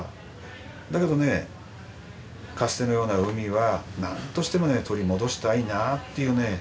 だけどねかつてのような海は何としても取り戻したいなっていうね